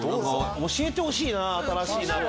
教えてほしいな新しい納豆。